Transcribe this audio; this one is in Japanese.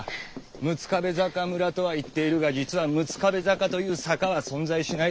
「六壁坂村」とは言っているが実は「六壁坂」という「坂」は存在しない。